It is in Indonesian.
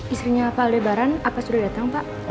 istrinya pak aldebaran apa sudah datang pak